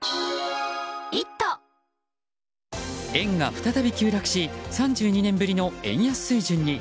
円が再び急落し３２年ぶりの円安水準に。